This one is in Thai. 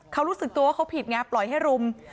เขารู้สึกตัวว่าเขาผิดไงปล่อยให้รุม